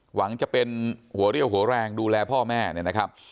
หวังจะเป็นหัวเรี่ยวหัวแรงดูแลพ่อแม่เนี่ยนะครับ